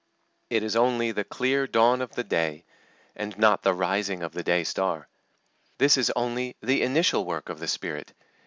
It is only the clear dawn of the day, and not the rising of the day star. This is only the initial work of the Spirit.